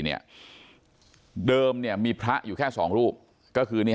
บอกว่าก็ไม่คิดว่าแค่ไม่อยู่ที่วัดแพงกันจนมรณภาพแบบนี้